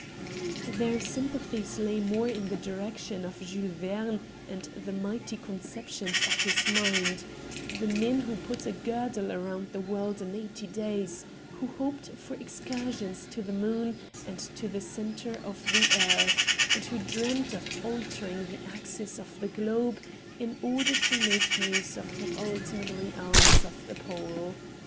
Their sympathies lay more in the direction B 2 4 RED DIAMONDS of Jules Yerne and the mighty conceptions of his mind ; the men who put a girdle round the world in eighty days, who hoped for excursions to the moon and to the centre of the earth, and who dreamed of altering the axis of the globe in order to make use of the ultimate realms of the Pole.